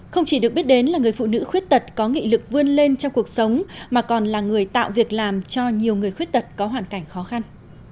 không chỉ được biết đến là người phụ nữ khuyết tật có nghị lực vươn lên trong cuộc sống mà còn là người tạo việc làm cho nhiều người khuyết tật có hoàn cảnh khó khăn